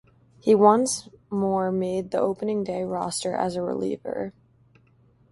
He once more made the opening day roster as a reliever.